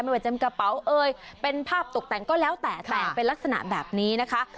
ไม่ว่าจะเป็นกระเป๋าเอยเป็นภาพตกแต่งก็แล้วแต่แต่งเป็นลักษณะแบบนี้นะคะ